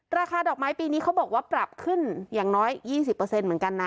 ราคาดอกไม้ปีนี้เขาบอกว่าปรับขึ้นอย่างน้อย๒๐เหมือนกันนะ